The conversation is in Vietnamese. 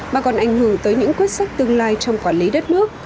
mà còn ảnh hưởng tới những quyết sách tương lai trong quản lý đất nước